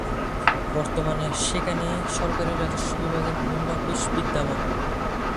বর্তমানে সেখানে সরকারি রাজস্ব বিভাগের বিভিন্ন অফিস বিদ্যমান।